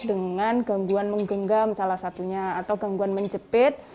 dengan gangguan menggenggam salah satunya atau gangguan menjepit